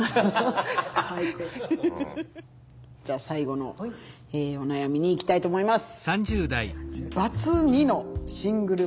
最後のお悩みにいきたいと思います。